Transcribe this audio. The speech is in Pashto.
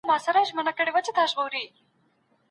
صادراتي توکي باید بسته بندي سي.